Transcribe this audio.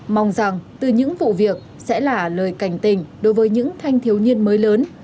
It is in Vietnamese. mong rằng từ những vụ việc sẽ là lời cảnh tình đối với những thanh thiếu nhiên mới lớn